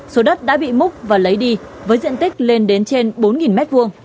số đất đã bị múc và lấy đi với diện tích lên đến trên bốn m hai